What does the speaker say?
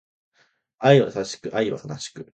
愛は優しく、愛は悲しく